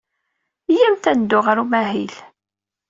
Iyyamt ad neddu ɣer umahil.